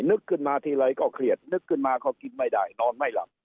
นึกขึ้นมาทีไรก็เครียดนึกขึ้นมาก็กินไม่ได้นอนไม่หลับ